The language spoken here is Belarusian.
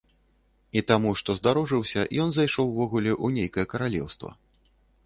І таму, што здарожыўся, ён зайшоў увогуле ў нейкае каралеўства.